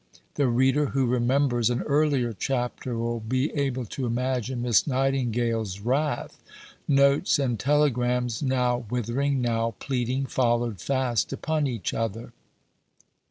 The reader who remembers an earlier chapter will be able to imagine Miss Nightingale's wrath. Notes and telegrams, now withering, now pleading, followed fast upon each other.